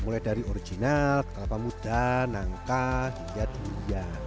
mulai dari original kelapa muda nangka hingga durian